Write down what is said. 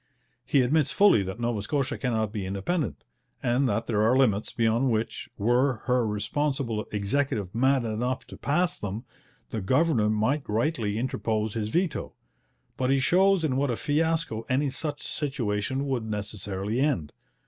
He admits fully that Nova Scotia cannot be independent, and that there are limits beyond which, were her responsible Executive mad enough to pass them, the governor might rightly interpose his veto. But he shows in what a fiasco any such situation would necessarily end.